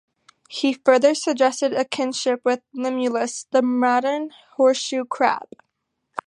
He further suggested a kinship with "Limulus", the modern horseshoe crab.